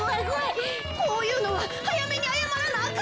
こういうのははやめにあやまらなあかんよな！